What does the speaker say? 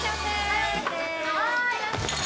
はい！